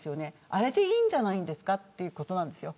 あれでいいんじゃないですかということなんですよ。